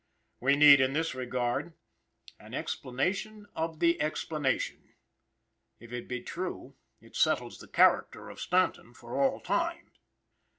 We need, in this regard, an explanation of the explanation. If it be true, it settles the character of Stanton for all time.